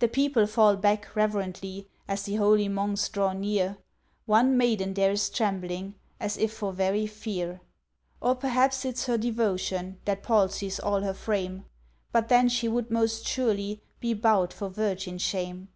The people fall back reverently, As th' holy Monks draw near, One maiden there is trembling, As if for very fear. Or p'r'aps it's her devotion That palsies all her frame, But then she would most surely Be bow'd for virgin shame.